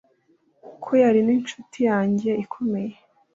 ko yari ninshuti yanjye ikomeye